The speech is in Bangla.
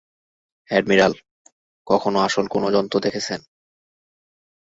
এডমিরাল, কখনো আসল কোনো জন্তু দেখেছেন?